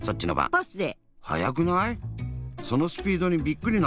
パスで。